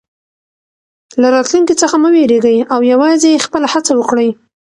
له راتلونکي څخه مه وېرېږئ او یوازې خپله هڅه وکړئ.